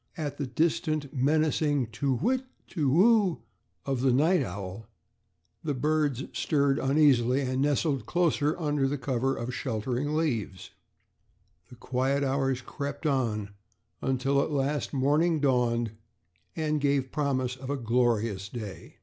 At the distant menacing "Tu whit, tu whoo" of the night owl, the birds stirred uneasily and nestled closer under cover of the sheltering leaves. The quiet hours crept on till at last morning dawned and gave promise of a glorious day.